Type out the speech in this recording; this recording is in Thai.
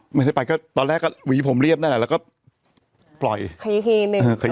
ไม่ใช่ป่ะตอนแรกหวีผมเรียบเนี่ยแล้วก็ปล่อยคยีหนึ่ง